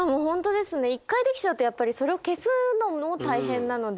一回できちゃうとやっぱりそれを消すのも大変なので。